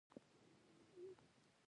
وزې شنه بوټي ژر ختموي